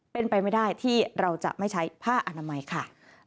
เป็นไปไม่ได้ที่เราจะไม่ใช้ผ้าอนามัยค่ะ